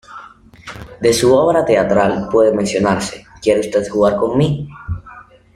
De su obra teatral pueden mencionarse "¿Quiere usted jugar con mí?